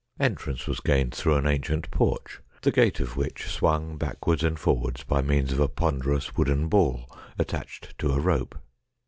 Entrance was gained through an ancient porch, the gate of which swung backwards and forwards by means of a ponderous wooden ball attached to a rope.